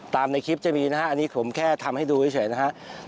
ในคลิปจะมีนะฮะอันนี้ผมแค่ทำให้ดูเฉยนะครับ